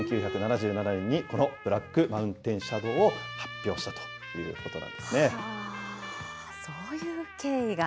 １９７７年に、このブラックマウンテンシャドーを発表したというそういう経緯が。